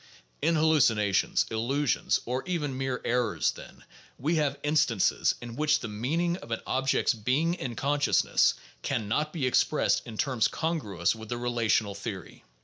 In hallucinations, illusions, or even mere errors, then, we have instances in which the meaning of an object's "being in consciousness" can not be expressed in terms congruous with the relational theory.